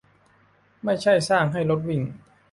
ไม่ใช่สร้างให้รถวิ่ง